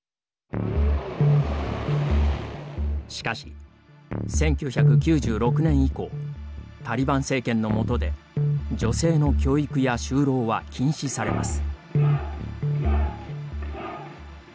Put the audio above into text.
しかし１９９６年以降タリバン政権の下で女性の教育や就労は禁止されます。